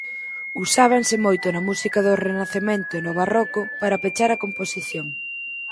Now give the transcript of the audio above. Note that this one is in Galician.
Usábanse moito na música do renacemento e no barroco para pechar a composición.